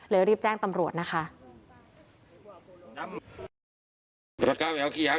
รีบแจ้งตำรวจนะคะ